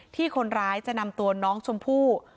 ที่คนร้ายจะนำตัวน้องชมพู่